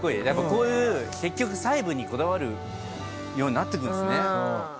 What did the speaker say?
やっぱこういう結局細部にこだわるようになってくんすね。